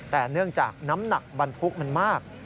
แต่เนื่องจากน้ำหนักบรรทุกมันมาก